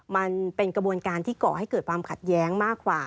มันเป็นกระบวนการที่ก่อให้เกิดความขัดแย้งมากกว่า